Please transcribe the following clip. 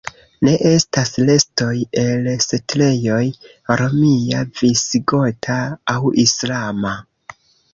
Ne estas restoj el setlejoj romia, visigota aŭ islama.